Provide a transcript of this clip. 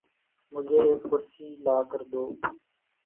مجھے ایک کرسی لا کر دو